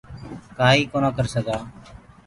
ڪآئينٚ ڪونآ ڪرسگآنٚ